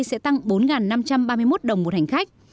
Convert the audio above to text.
sẽ tăng bốn năm trăm ba mươi một đồng một hành khách